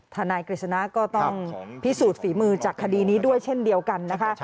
นายกฤษณะก็ต้องพิสูจน์ฝีมือจากคดีนี้ด้วยเช่นเดียวกันนะคะ